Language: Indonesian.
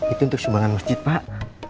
itu untuk sumbangan masjid pak